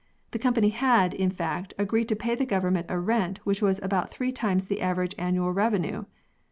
The company had, in fact, agreed to pay the Govern ment a rent which was about three times the average annual revenue